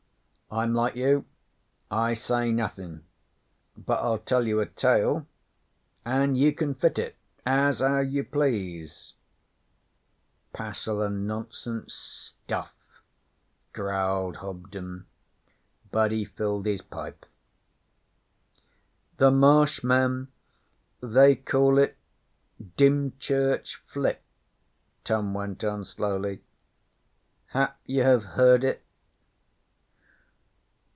'I'm like you. I say nothin'. But I'll tell you a tale, an' you can fit it as how you please.' 'Passel o' no sense stuff,' growled Hobden, but he filled his pipe. 'The Marsh men they call it Dymchurch Flit,' Tom went on slowly. 'Hap you have heard it?'